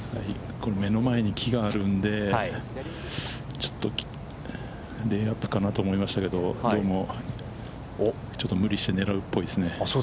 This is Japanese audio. これ、目の前に木があるんで、レイアップかなと思いましたけど、どうも、ちょっと無理して狙うっぽいですね。